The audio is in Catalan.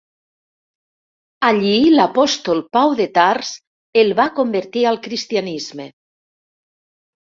Allí l'apòstol Pau de Tars el va convertir al cristianisme.